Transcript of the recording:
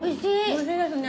おいしいですね。